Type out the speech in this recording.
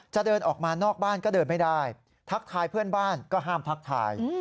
จะเดินออกมานอกบ้านก็เดินไม่ได้ทักทายเพื่อนบ้านก็ห้ามทักทาย